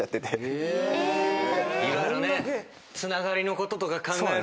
色々ねつながりのこととか考えると。